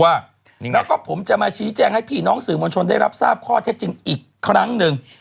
แล้วก็ผมจะมาชี้แจงให้พี่น้องสื่อมวลชนได้รับทราบข้อเท็จจริงอีกครั้งหนึ่ง